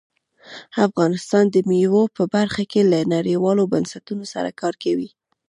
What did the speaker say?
افغانستان د مېوو په برخه کې له نړیوالو بنسټونو سره کار کوي.